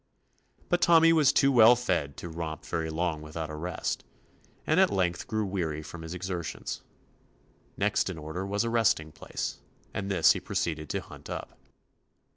But Tommy was too well fed to romp 69 THE ADVENTURES OF very long without a rest, and at length grew weary from his exertions. Next in order was a resting place, and this he proceeded to hunt up.